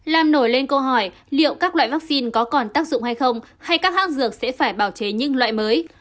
làm nổi lên câu hỏi liệu các loại vaccine có còn tác dụng hay không hay các hãng dược sẽ phải bảo chế những loại mới